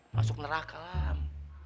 masuk neraka lam